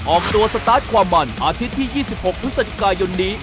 ออกตัวสตาร์ทความมันอาทิตย์ที่๒๖พฤศจิกายนนี้